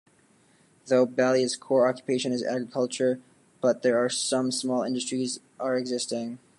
Though Ballia's core occupation is agriculture but there are some small industries are existing.